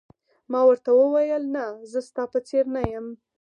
ما ورته وویل: نه، زه ستا په څېر نه یم.